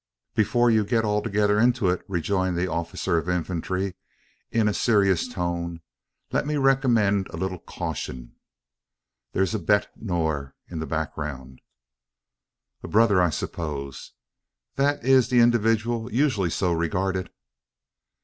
"Before you get altogether into it," rejoined the officer of infantry, in a serious tone, "let me recommend a little caution. There's a bete noir in the background." "A brother, I suppose? That is the individual usually so regarded."